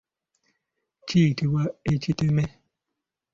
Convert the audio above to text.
Kiyitibwa ekiteme.